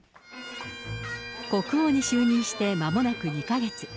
国王に就任してまもなく２か月。